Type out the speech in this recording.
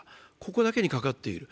ここだけにかかっている。